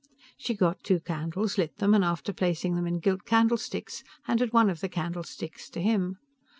She got two candles, lit them, and after placing them in gilt candlesticks, handed one of the candlesticks to him.